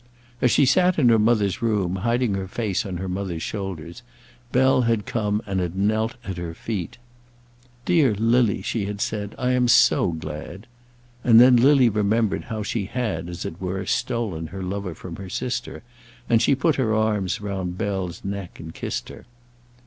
As she sat in her mother's room, hiding her face on her mother's shoulders, Bell had come, and had knelt at her feet. "Dear Lily," she had said, "I am so glad." And then Lily remembered how she had, as it were, stolen her lover from her sister, and she put her arms round Bell's neck and kissed her.